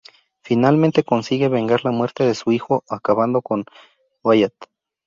Finalmente consigue vengar la muerte de su hijo acabando con Wyatt.